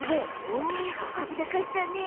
おあぶなかったね。